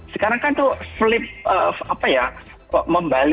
sekarang kan itu flip apa ya